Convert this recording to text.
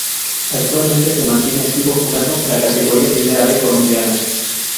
Actualmente se mantiene activo jugando la Categoría Primera B colombiana.